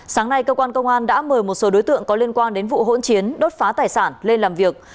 sáng nay cơ quan công an đã mời một số đối tượng có liên quan đến vụ hỗn chiến đốt phá tài sản lên làm việc